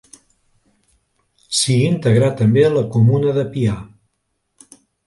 S'hi integrà també la comuna de Pià.